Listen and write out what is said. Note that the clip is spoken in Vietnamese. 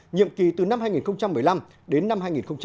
nhiệm kỳ từ năm hai nghìn một mươi năm đến năm hai nghìn hai mươi